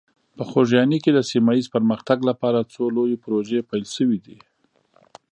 په خوږیاڼي کې د سیمه ایز پرمختګ لپاره څو لویې پروژې پیل شوي دي.